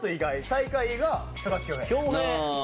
最下位が高橋恭平。